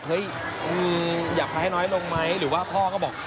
เฮ้ยอยากให้น้อยลงไหมหรือว่าพ่อก็บอก